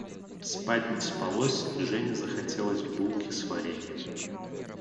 Спать не спалось, и Жене захотелось булки с вареньем.